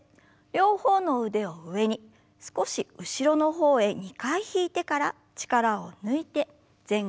両方の腕を上に少し後ろの方へ２回引いてから力を抜いて前後に振る運動です。